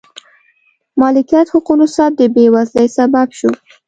مالکیت حقونو سلب د بېوزلۍ سبب شو.